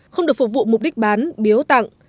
không được phục vụ mục đích bán biếu tặng